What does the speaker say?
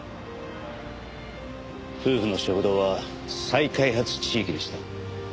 夫婦の食堂は再開発地域でした。